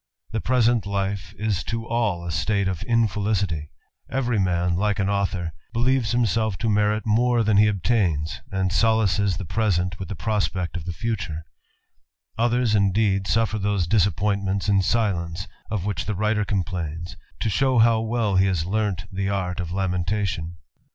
The present life is to all a state of infelicity ; every man, like an author, believes himself to merit more than he obtains, and solaces the present with the prospect of the future; others, indeed, suffer those disappointments in silence, of which the writet complains, to show how well he has learnt the art (^ lamentation.